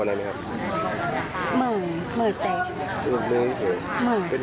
แล้วพ่อเราแต่มันมีเสียชีวิต